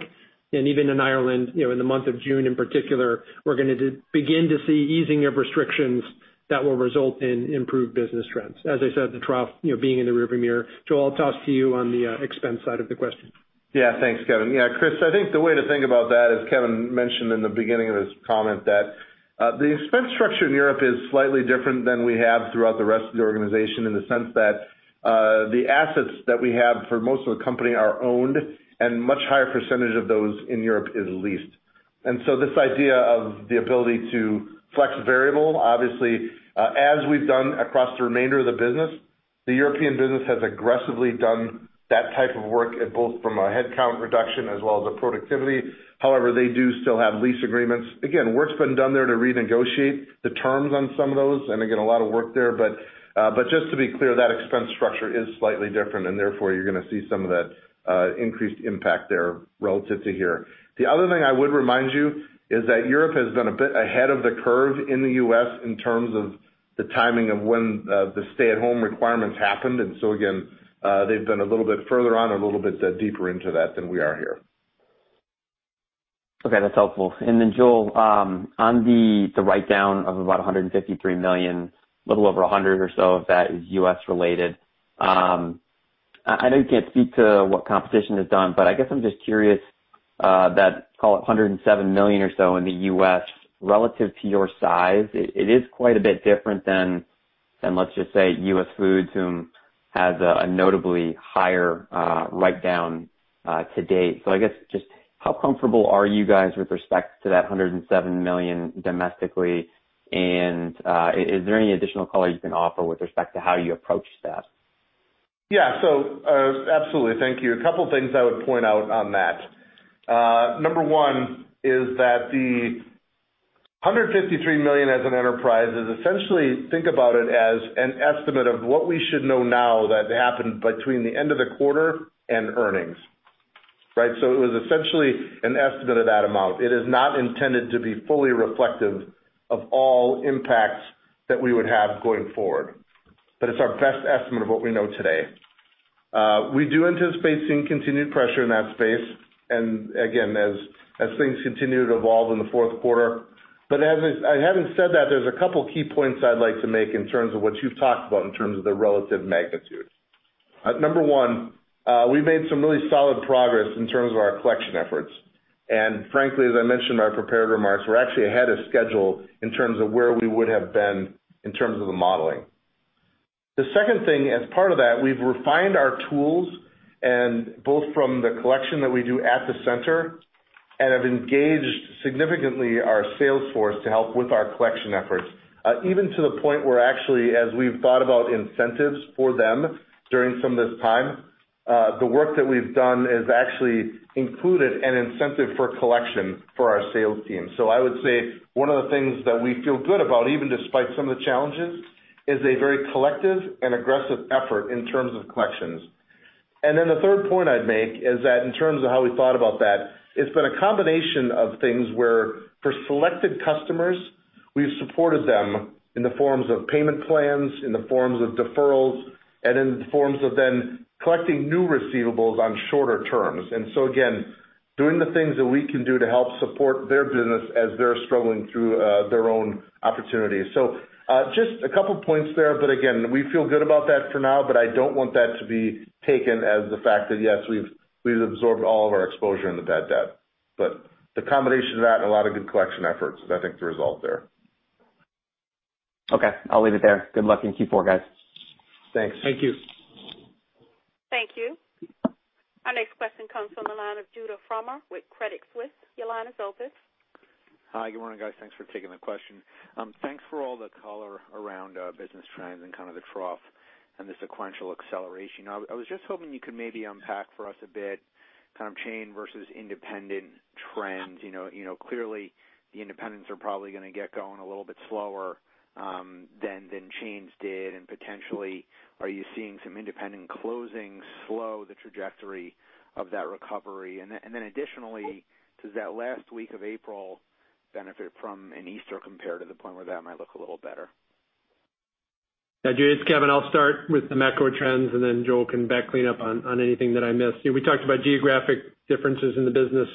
Even in Ireland, in the month of June in particular, we're going to begin to see easing of restrictions that will result in improved business trends. As I said, the trough being in the rear view mirror. Joel, I'll toss to you on the expense side of the question. Yeah. Thanks, Kevin. Yeah, Chris, I think the way to think about that, as Kevin mentioned in the beginning of his comment, that the expense structure in Europe is slightly different than we have throughout the rest of the organization in the sense that, the assets that we have for most of the company are owned and much higher percentage of those in Europe is leased. This idea of the ability to flex variable, obviously, as we've done across the remainder of the business, the European business has aggressively done that type of work, both from a headcount reduction as well as a productivity. However, they do still have lease agreements. Again, work's been done there to renegotiate the terms on some of those and again, a lot of work there. Just to be clear, that expense structure is slightly different and therefore you're going to see some of that increased impact there relative to here. The other thing I would remind you is that Europe has been a bit ahead of the curve in the U.S. in terms of the timing of when the stay at home requirements happened. Again, they've been a little bit further on, a little bit deeper into that than we are here. Okay. That's helpful. Joel, on the write-down of about $153 million, a little over $100 million or so of that is U.S. related. I know you can't speak to what competition has done, I guess I'm just curious, that, call it $107 million or so in the U.S. relative to your size, it is quite a bit different than, let's just say, US Foods, whom has a notably higher write-down to date. I guess just how comfortable are you guys with respect to that $107 million domestically? Is there any additional color you can offer with respect to how you approached that? Yeah. absolutely. Thank you. A couple of things I would point out on that. Number one is that the $153 million as an enterprise is essentially, think about it as an estimate of what we should know now that happened between the end of the quarter and earnings. Right? It was essentially an estimate of that amount. It is not intended to be fully reflective of all impacts that we would have going forward. It's our best estimate of what we know today. We do anticipate seeing continued pressure in that space, and again, as things continue to evolve in the fourth quarter. Having said that, there's a couple of key points I'd like to make in terms of what you've talked about in terms of the relative magnitude. Number one, we've made some really solid progress in terms of our collection efforts. Frankly, as I mentioned in my prepared remarks, we're actually ahead of schedule in terms of where we would have been in terms of the modeling. The second thing, as part of that, we've refined our tools, both from the collection that we do at the center, and have engaged significantly our sales force to help with our collection efforts. Even to the point where actually, as we've thought about incentives for them during some of this time, the work that we've done has actually included an incentive for collection for our sales team. I would say one of the things that we feel good about, even despite some of the challenges, is a very collective and aggressive effort in terms of collections. The third point I'd make is that in terms of how we thought about that, it's been a combination of things where for selected customers, we've supported them in the forms of payment plans, in the forms of deferrals, and in the forms of then collecting new receivables on shorter terms. Again, doing the things that we can do to help support their business as they're struggling through their own opportunities. Just a couple of points there, but again, we feel good about that for now, but I don't want that to be taken as the fact that yes, we've absorbed all of our exposure in the bad debt. The combination of that and a lot of good collection efforts is, I think the result there. Okay, I'll leave it there. Good luck in Q4, guys. Thanks. Thank you. Thank you. Our next question comes from the line of Judah Frommer with Credit Suisse. Your line is open. Hi, good morning, guys. Thanks for taking the question. Thanks for all the color around business trends and kind of the trough and the sequential acceleration. I was just hoping you could maybe unpack for us a bit, kind of chain versus independent trends. Clearly, the independents are probably going to get going a little bit slower than chains did, and potentially are you seeing some independent closings slow the trajectory of that recovery? Additionally, does that last week of April benefit from an Easter compare to the point where that might look a little better? Now, Judah, it's Kevin. I'll start with the macro trends, and then Joel can back clean up on anything that I missed. We talked about geographic differences in the business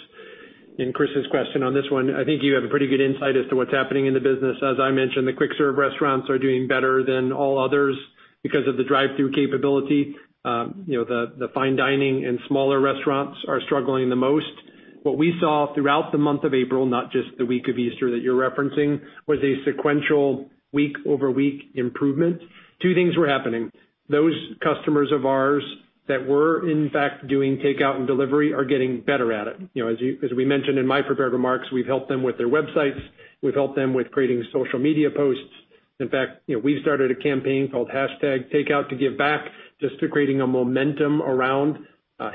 in Chris's question on this one. I think you have a pretty good insight as to what's happening in the business. As I mentioned, the quick serve restaurants are doing better than all others because of the drive-thru capability. The fine dining and smaller restaurants are struggling the most. What we saw throughout the month of April, not just the week of Easter that you're referencing, was a sequential week-over-week improvement. Two things were happening. Those customers of ours that were in fact doing takeout and delivery are getting better at it. As we mentioned in my prepared remarks, we've helped them with their websites. We've helped them with creating social media posts. In fact, we've started a campaign called #TakeoutToGiveBack just to creating a momentum around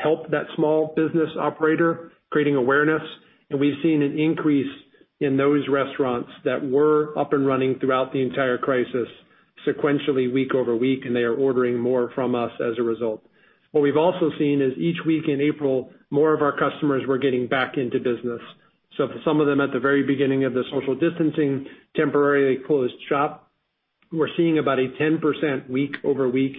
help that small business operator, creating awareness. We've seen an increase in those restaurants that were up and running throughout the entire crisis sequentially week-over-week, and they are ordering more from us as a result. What we've also seen is each week in April, more of our customers were getting back into business. For some of them at the very beginning of the social distancing, temporarily closed shop, we're seeing about a 10% week-over-week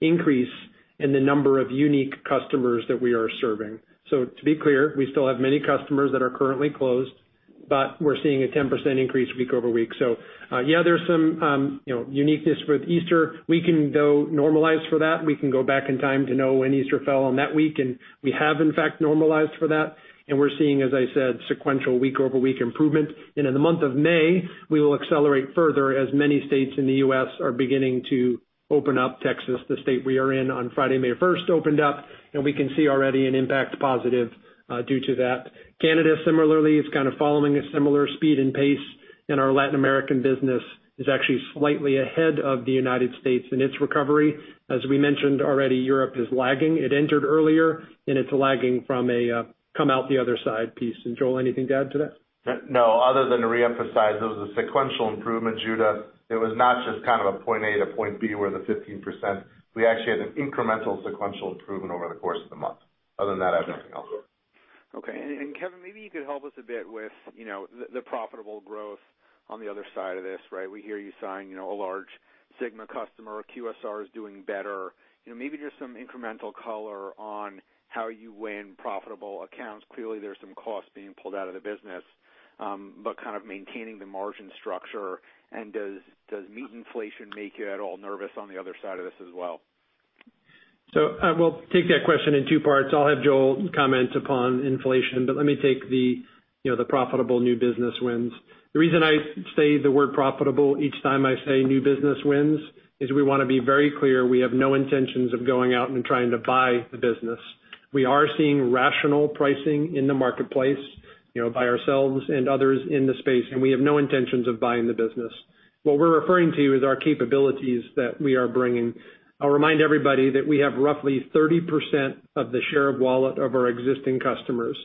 increase in the number of unique customers that we are serving. To be clear, we still have many customers that are currently closed, but we're seeing a 10% increase week-over-week. Yeah, there's some uniqueness with Easter. We can, though, normalize for that. We can go back in time to know when Easter fell on that week. We have in fact normalized for that. We're seeing, as I said, sequential week-over-week improvement. In the month of May, we will accelerate further as many states in the U.S. are beginning to open up. Texas, the state we are in, on Friday, May 1st opened up. We can see already an impact positive due to that. Canada, similarly, is kind of following a similar speed and pace. Our Latin American business is actually slightly ahead of the United States in its recovery. As we mentioned already, Europe is lagging. It entered earlier. It's lagging from a come out the other side piece. Joel, anything to add to that? No, other than to reemphasize, it was a sequential improvement, Judah. It was not just kind of a point A to point B where the 15%. We actually had an incremental sequential improvement over the course of the month. Other than that, I have nothing else. Okay. Kevin, maybe you could help us a bit with the profitable growth on the other side of this. We hear you sign a large SYGMA customer, QSR is doing better. Maybe just some incremental color on how you win profitable accounts. Clearly, there's some cost being pulled out of the business, but kind of maintaining the margin structure. Does meat inflation make you at all nervous on the other side of this as well? I will take that question in two parts. I'll have Joel comment upon inflation, but let me take the profitable new business wins. The reason I say the word profitable each time I say new business wins is we want to be very clear we have no intentions of going out and trying to buy the business. We are seeing rational pricing in the marketplace by ourselves and others in the space, and we have no intentions of buying the business. What we're referring to is our capabilities that we are bringing. I'll remind everybody that we have roughly 30% of the share of wallet of our existing customers.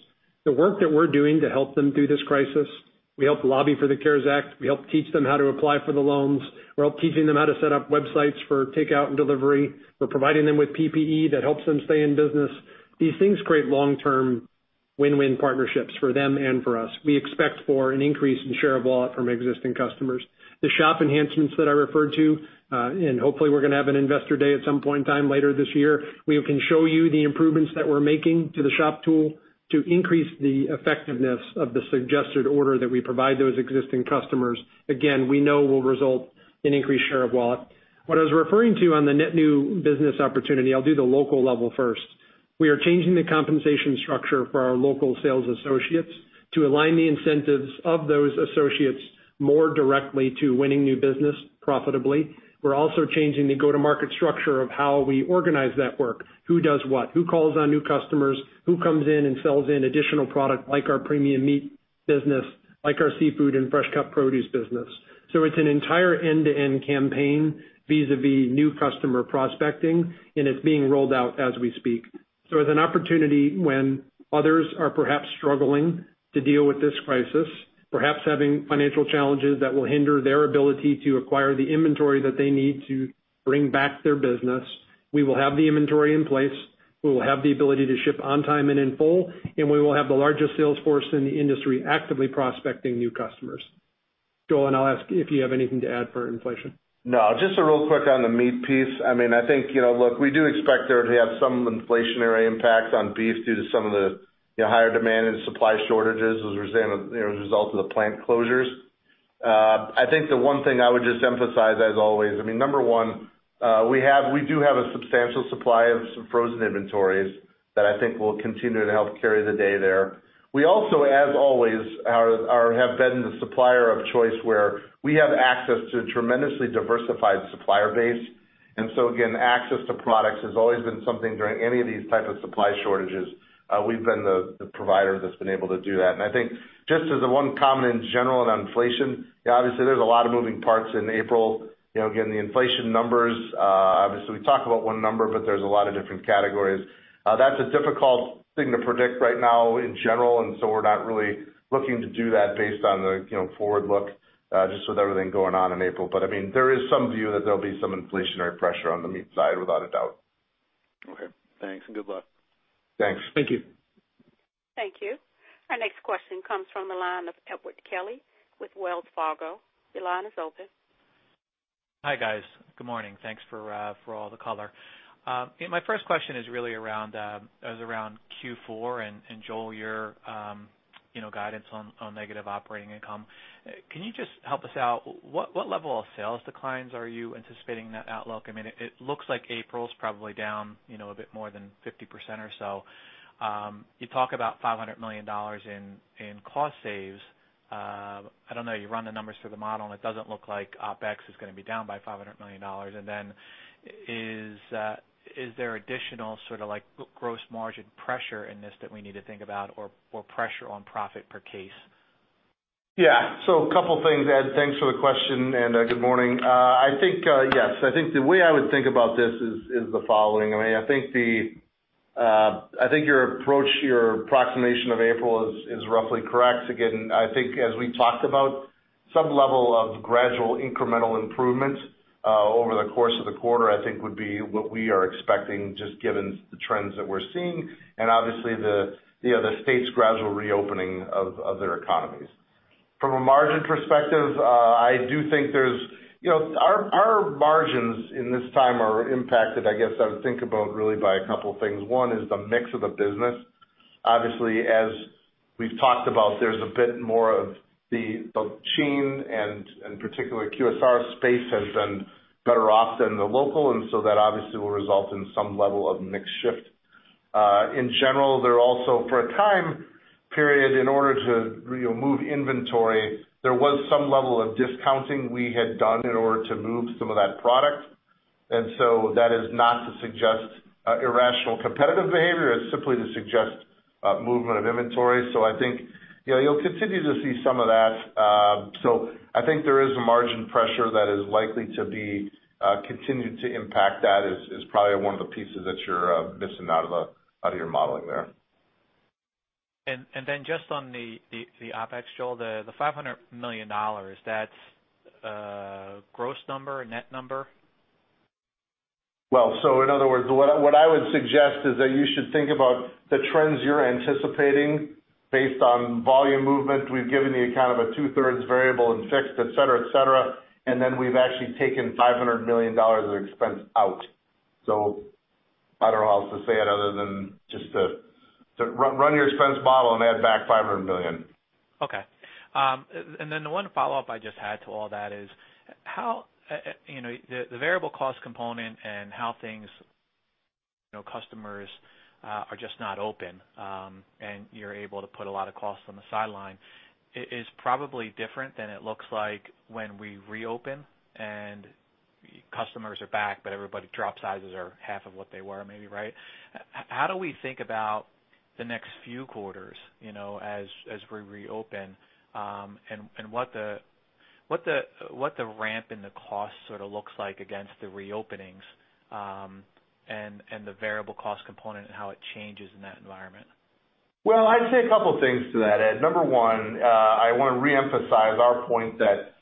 The work that we're doing to help them through this crisis, we helped lobby for the CARES Act. We helped teach them how to apply for the loans. We're helping teaching them how to set up websites for takeout and delivery. We're providing them with PPE that helps them stay in business. These things create long-term win-win partnerships for them and for us. We expect for an increase in share of wallet from existing customers. The Shop enhancements that I referred to, hopefully we're going to have an investor day at some point in time later this year, we can show you the improvements that we're making to the Shop tool to increase the effectiveness of the suggested order that we provide those existing customers. We know will result in increased share of wallet. What I was referring to on the net new business opportunity, I'll do the local level first. We are changing the compensation structure for our local sales associates to align the incentives of those associates more directly to winning new business profitably. We're also changing the go-to-market structure of how we organize that work, who does what, who calls on new customers, who comes in and sells in additional product like our premium meat business, like our seafood and fresh cut produce business. It's an entire end-to-end campaign vis-à-vis new customer prospecting, and it's being rolled out as we speak. As an opportunity when others are perhaps struggling to deal with this crisis, perhaps having financial challenges that will hinder their ability to acquire the inventory that they need to bring back their business, we will have the inventory in place. We will have the ability to ship on time and in full, and we will have the largest sales force in the industry actively prospecting new customers. Joel, I'll ask you if you have anything to add for inflation. No, just real quick on the meat piece. I think, look, we do expect there to have some inflationary impact on beef due to some of the higher demand and supply shortages as a result of the plant closures. I think the one thing I would just emphasize as always, number one, we do have a substantial supply of some frozen inventories that I think will continue to help carry the day there. We also, as always, have been the supplier of choice where we have access to a tremendously diversified supplier base. Again, access to products has always been something during any of these type of supply shortages, we've been the provider that's been able to do that. I think just as a one comment in general on inflation, obviously there's a lot of moving parts in April. The inflation numbers, obviously we talk about one number, but there's a lot of different categories. That's a difficult thing to predict right now in general, we're not really looking to do that based on the forward look, just with everything going on in April. There is some view that there'll be some inflationary pressure on the meat side, without a doubt. Okay. Thanks, and good luck. Thanks. Thank you. Thank you. Our next question comes from the line of Edward Kelly with Wells Fargo. Your line is open. Hi, guys. Good morning. Thanks for all the color. My first question is really around Q4 and, Joel, your guidance on negative operating income. Can you just help us out, what level of sales declines are you anticipating in that outlook? It looks like April's probably down a bit more than 50% or so. You talk about $500 million in cost saves. I don't know, you run the numbers through the model, and it doesn't look like OpEx is going to be down by $500 million. Then, is there additional gross margin pressure in this that we need to think about or pressure on profit per case? A couple things, Ed. Thanks for the question, and good morning. I think, yes. I think the way I would think about this is the following. I think your approximation of April is roughly correct. Again, I think as we talked about, some level of gradual incremental improvement over the course of the quarter, I think would be what we are expecting, just given the trends that we're seeing and obviously the states' gradual reopening of their economies. From a margin perspective, our margins in this time are impacted, I guess I would think about really by a couple things. One is the mix of the business. Obviously, as we've talked about, there's a bit more of the chain and particularly QSR space has been better off than the local, that obviously will result in some level of mix shift. In general, there also, for a time period, in order to move inventory, there was some level of discounting we had done in order to move some of that product. That is not to suggest irrational competitive behavior. It's simply to suggest movement of inventory. I think you'll continue to see some of that. I think there is a margin pressure that is likely to be continued to impact that is probably one of the pieces that you're missing out of your modeling there. Just on the OpEx, Joel, the $500 million, that's gross number or net number? In other words, what I would suggest is that you should think about the trends you're anticipating based on volume movement. We've given the account of a two-thirds variable and fixed, et cetera. We've actually taken $500 million of expense out. I don't know how else to say it other than just to run your expense model and add back $500 million. Okay. The one follow-up I just had to all that is, the variable cost component and how things, customers are just not open, and you're able to put a lot of costs on the sideline, is probably different than it looks like when we reopen and customers are back, but everybody drop sizes are half of what they were, maybe, right? How do we think about the next few quarters, as we reopen, and what the ramp in the cost sort of looks like against the reopenings, and the variable cost component and how it changes in that environment? Well, I'd say a couple things to that, Ed. Number one, I want to reemphasize our point that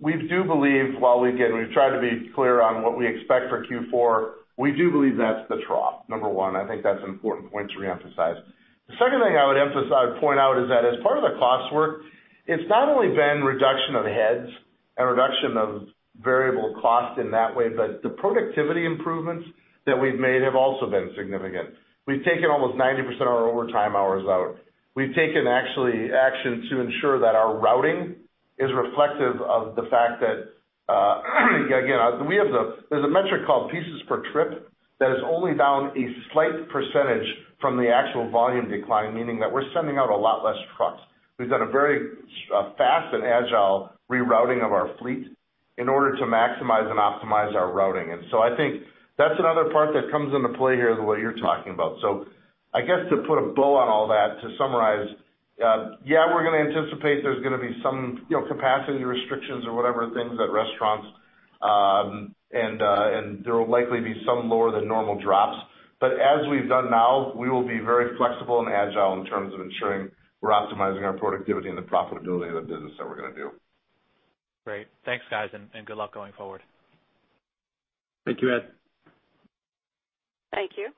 we do believe while, again, we've tried to be clear on what we expect for Q4, we do believe that's the trough. Number one, I think that's an important point to reemphasize. The second thing I would point out is that as part of the cost work, it's not only been reduction of heads and reduction of variable cost in that way, but the productivity improvements that we've made have also been significant. We've taken almost 90% of our overtime hours out. We've taken actually action to ensure that our routing is reflective of the fact that, again, there's a metric called pieces per trip that is only down a slight percentage from the actual volume decline, meaning that we're sending out a lot less trucks. We've done a very fast and agile rerouting of our fleet in order to maximize and optimize our routing. I think that's another part that comes into play here is what you're talking about. I guess to put a bow on all that, to summarize, yeah, we're going to anticipate there's going to be some capacity restrictions or whatever things at restaurants. There will likely be some lower than normal drops. As we've done now, we will be very flexible and agile in terms of ensuring we're optimizing our productivity and the profitability of the business that we're going to do. Great. Thanks, guys, and good luck going forward. Thank you, Ed. Thank you.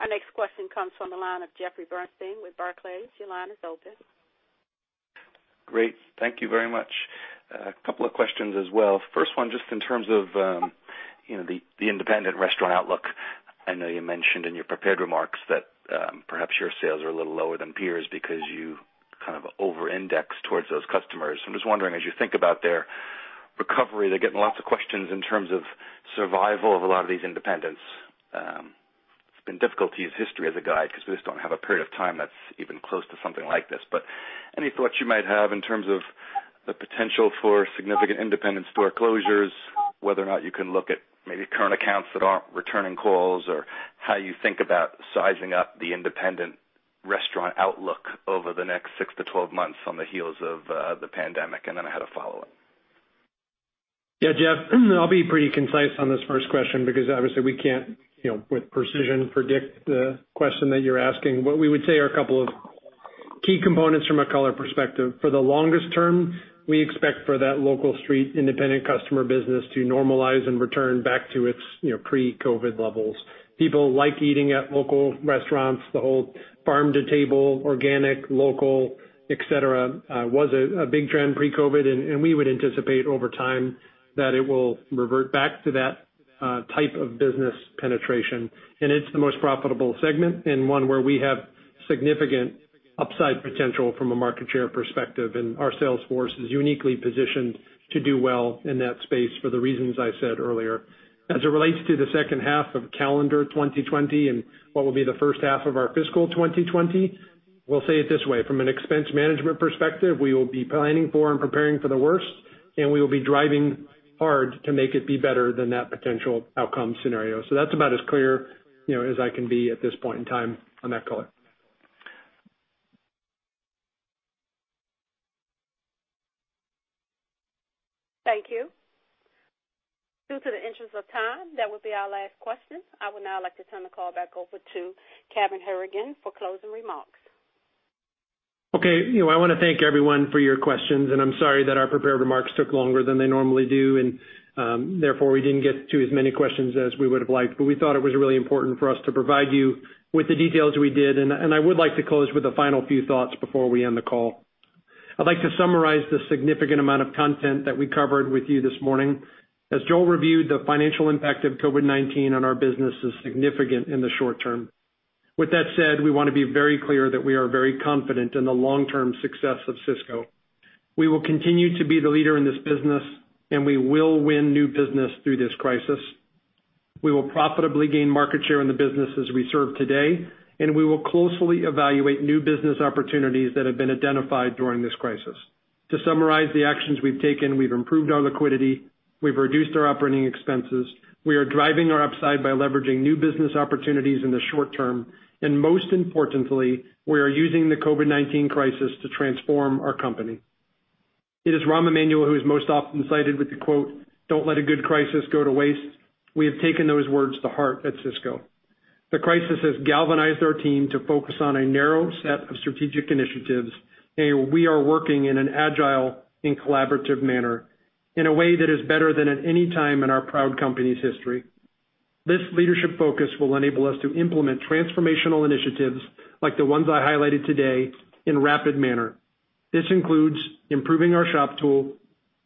Our next question comes from the line of Jeffrey Bernstein with Barclays. Your line is open. Great. Thank you very much. A couple of questions as well. First one, just in terms of the independent restaurant outlook. I know you mentioned in your prepared remarks that perhaps your sales are a little lower than peers because you kind of over-index towards those customers. I'm just wondering, as you think about their recovery, they're getting lots of questions in terms of survival of a lot of these independents. It's been difficult to use history as a guide because we just don't have a period of time that's even close to something like this. Any thoughts you might have in terms of the potential for significant independent store closures, whether or not you can look at maybe current accounts that aren't returning calls, or how you think about sizing up the independent restaurant outlook over the next six to 12 months on the heels of the pandemic? I had a follow-up. Yeah. Jeff, I'll be pretty concise on this first question because obviously we can't, with precision, predict the question that you're asking. What we would say are a couple of key components from a color perspective. For the longest term, we expect for that local street independent customer business to normalize and return back to its pre-COVID levels. People like eating at local restaurants. The whole farm-to-table, organic, local, et cetera, was a big trend pre-COVID. We would anticipate over time that it will revert back to that type of business penetration. It's the most profitable segment and one where we have significant upside potential from a market share perspective, and our sales force is uniquely positioned to do well in that space for the reasons I said earlier. As it relates to the second half of calendar 2020 and what will be the first half of our fiscal 2020, we'll say it this way. From an expense management perspective, we will be planning for and preparing for the worst, and we will be driving hard to make it be better than that potential outcome scenario. That's about as clear as I can be at this point in time on that color. Thank you. Due to the interest of time, that would be our last question. I would now like to turn the call back over to Kevin Hourican for closing remarks. I want to thank everyone for your questions, and I'm sorry that our prepared remarks took longer than they normally do, and therefore we didn't get to as many questions as we would have liked. We thought it was really important for us to provide you with the details we did. I would like to close with a final few thoughts before we end the call. I'd like to summarize the significant amount of content that we covered with you this morning. As Joel reviewed, the financial impact of COVID-19 on our business is significant in the short term. With that said, we want to be very clear that we are very confident in the long-term success of Sysco. We will continue to be the leader in this business, and we will win new business through this crisis. We will profitably gain market share in the businesses we serve today, and we will closely evaluate new business opportunities that have been identified during this crisis. To summarize the actions we've taken, we've improved our liquidity, we've reduced our operating expenses, we are driving our upside by leveraging new business opportunities in the short term, and most importantly, we are using the COVID-19 crisis to transform our company. It is Rahm Emanuel who is most often cited with the quote, "Don't let a good crisis go to waste." We have taken those words to heart at Sysco. The crisis has galvanized our team to focus on a narrow set of strategic initiatives, and we are working in an agile and collaborative manner in a way that is better than at any time in our proud company's history. This leadership focus will enable us to implement transformational initiatives like the ones I highlighted today in rapid manner. This includes improving our Sysco Shop,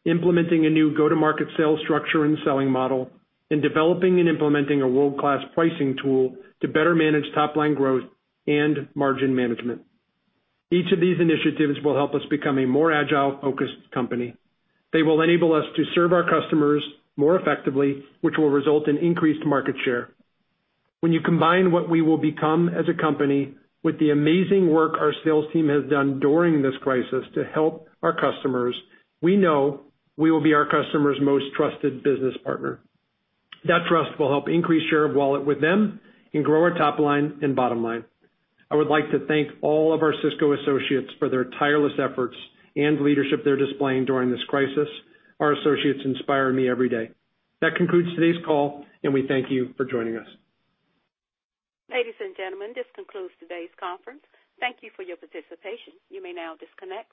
implementing a new go-to-market sales structure and selling model, and developing and implementing a world-class pricing tool to better manage top-line growth and margin management. Each of these initiatives will help us become a more agile, focused company. They will enable us to serve our customers more effectively, which will result in increased market share. When you combine what we will become as a company with the amazing work our sales team has done during this crisis to help our customers, we know we will be our customers' most trusted business partner. That trust will help increase share of wallet with them and grow our top line and bottom line. I would like to thank all of our Sysco associates for their tireless efforts and leadership they're displaying during this crisis. Our associates inspire me every day. That concludes today's call, and we thank you for joining us. Ladies and gentlemen, this concludes today's conference. Thank you for your participation. You may now disconnect.